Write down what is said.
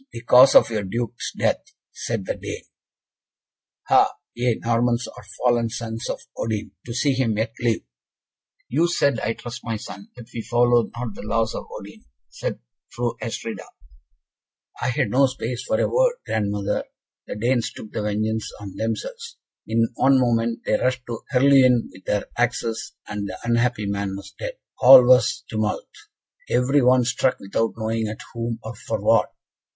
'The cause of your Duke's death!' said the Dane. 'Ha, ye Normans are fallen sons of Odin, to see him yet live!'" "You said, I trust, my son, that we follow not the laws of Odin?" said Fru Astrida. "I had no space for a word, grandmother; the Danes took the vengeance on themselves. In one moment they rushed on Herluin with their axes, and the unhappy man was dead. All was tumult; every one struck without knowing at whom, or for what.